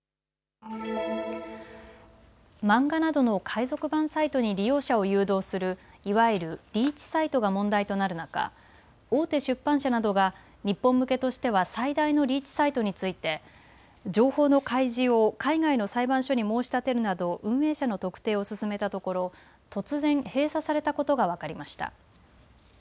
漫画などの海賊版サイトに利用者を誘導するいわゆるリーチサイトが問題となる中、大手出版社などが日本向けとしては最大のリーチサイトについて情報の開示を海外の裁判所に申し立てるなど運営者の特定を進めたところ突然閉鎖されたことが分かりました。